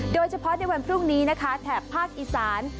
โดยเฉพาะในวันพรุ่งนี้นะคะแถบภาคอีสาน